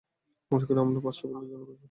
আশা করি আমার ফাস্টবলের জন্য প্রস্তুত।